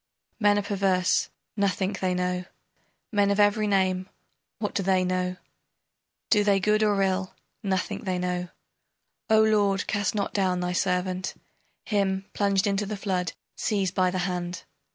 Men are perverse, nothing they know. Men of every name, what do they know? Do they good or ill, nothing they know. O lord, cast not down thy servant! Him, plunged into the flood, seize by the hand!